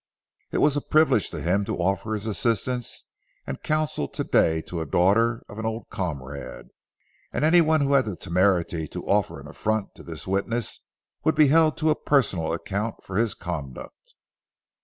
It was a privilege to him to offer his assistance and counsel to day to a daughter of an old comrade, and any one who had the temerity to offer an affront to this witness would be held to a personal account for his conduct.